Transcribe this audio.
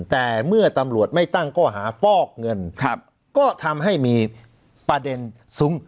แต่เมื่อตำลวดไม่ตั้งก็หาฟอกเงินครับก็ทำให้มีประเด็นทรุง